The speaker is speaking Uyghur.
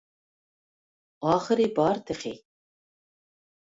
ئاخىرى بار تېخى!